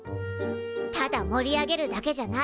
ただ盛り上げるだけじゃない。